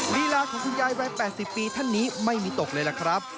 ลีลาของคุณยายวัย๘๐ปีท่านนี้ไม่มีตกเลยล่ะครับ